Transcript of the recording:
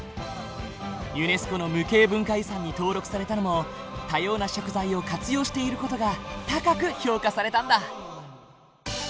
ユネスコの無形文化遺産に登録されたのも多様な食材を活用している事が高く評価されたんだ。